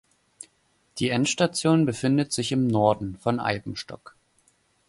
Die Endstation befindet sich im Norden von Eibenstock.